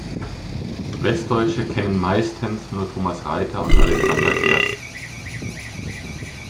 Westdeutsche kennen meistens nur Thomas Reiter und Alexander Gerst.